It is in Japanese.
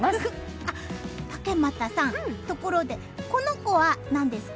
竹俣さん、ところでこの子は何ですか？